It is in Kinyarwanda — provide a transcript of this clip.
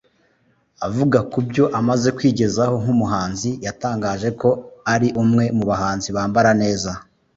Avuga ku byo amaze kwigezaho nk’umuhanzi yatangaje ko ari umwe mu bahanzi bambara neza